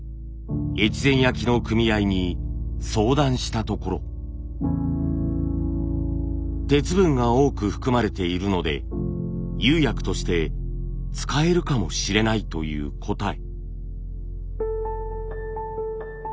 越前焼の組合に相談したところ「鉄分が多く含まれているので釉薬として使えるかもしれない」という答え。